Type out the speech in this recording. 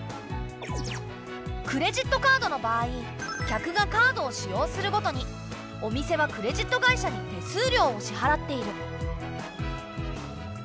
クレジットカードの場合客がカードを使用するごとにお店はクレジット会社に手数料を支払っている。